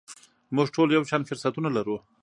موږ ټول یو شان فرصتونه لرو .